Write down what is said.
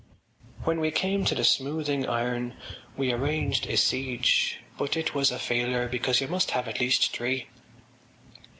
When we came to the Smoothing Iron we arranged a siege; but it was a failure because you must have at least three.